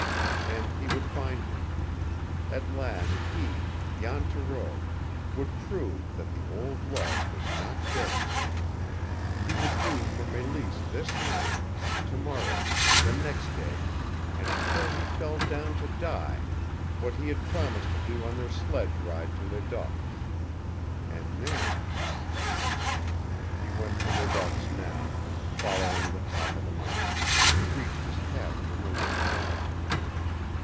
And he would find him! At last he, Jan Thoreau, would prove that the old love was not dead within him; he would do for Mélisse this night to morrow the next day, and until he fell down to die what he had promised to do on their sledge ride to Ledoq's. And then He went to Ledoq's now, following the top of the mountain, and reached his cabin in the late dawn.